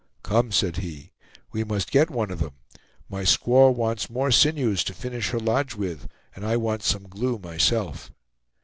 "Come," said he, "we must get one of them. My squaw wants more sinews to finish her lodge with, and I want some glue myself."